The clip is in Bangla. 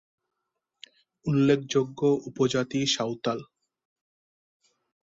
উল্লেখযোগ্য উপজাতি সাঁওতাল।